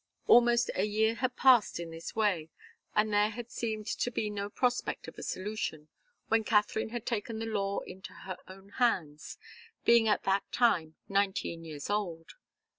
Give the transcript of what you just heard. Almost a year had passed in this way, and there had seemed to be no prospect of a solution, when Katharine had taken the law into her own hands, being at that time nineteen years old.